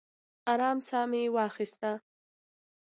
ارام ساه مې واخیسته.